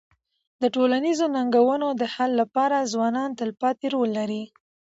د ټولنیزو ننګونو د حل لپاره ځوانان تلپاتې رول لري.